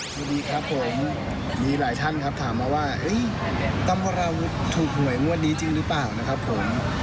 สวัสดีครับผมมีหลายท่านครับถามมาว่าต้องพวกเราถูกหวยงวดนี้จริงหรือเปล่านะครับผม